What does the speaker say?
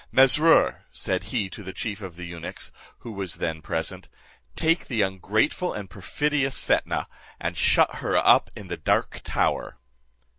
"Mesrour," said he to the chief of the eunuchs, who was then present, "take the ungrateful and perfidious Fetnah, and shut her up in the dark tower."